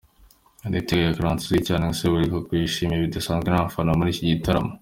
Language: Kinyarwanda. Niyitegeka Gratien uzwi cyane nka Seburikoko yishimiwe bidasanzwe n’abafana muri iki gitaramo.